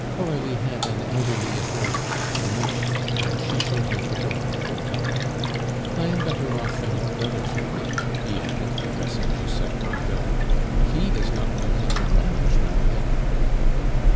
"Coralie had an elderly adorer, a merchant, and she showed him the door, poor fellow. I am better off than your brother Philippe," he added, addressing Joseph Bridau; "he does not know how to manage Mariette."